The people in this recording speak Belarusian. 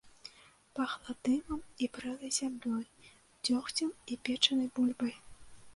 Пахла дымам і прэлай зямлёй, дзёгцем і печанай бульбай.